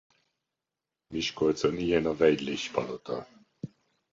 Miskolcon ilyen a Weidlich-palota.